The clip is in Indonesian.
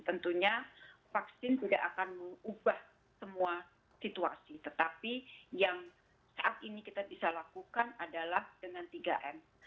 tentunya vaksin tidak akan mengubah semua situasi tetapi yang saat ini kita bisa lakukan adalah dengan tiga m